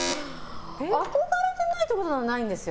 憧れてないってことでもないんですよ。